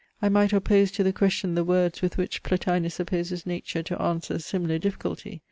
I might oppose to the question the words with which Plotinus supposes Nature to answer a similar difficulty.